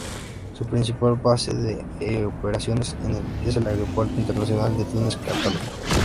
Su principal base de operaciones es el aeropuerto internacional de Túnez-Cartago